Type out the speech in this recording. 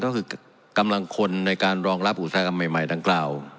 ก็คือกำลังคนในการรองรับอุตสาหกรรมใหม่ดังกล่าว